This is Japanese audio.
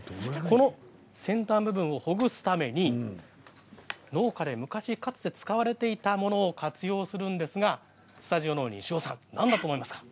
先端部分をほぐすために農家で昔、使われていたものを活用しているんですけれどスタジオの西尾さん何だと思いますか？